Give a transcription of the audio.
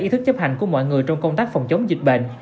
ý thức chấp hành của mọi người trong công tác phòng chống dịch bệnh